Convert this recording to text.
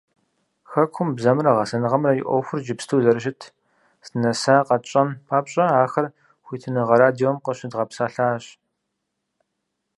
Хэкум бзэмрэ гъэсэныгъэмрэ и Ӏуэхур иджыпсту зэрыщыт, здынэсар къэтщӀэн папщӏэ ахэр Хуитыныгъэ радиом къыщыдгъэпсэлъащ.